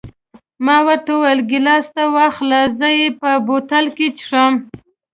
ما ورته وویل: ګیلاس ته واخله، زه یې په بوتل کې څښم.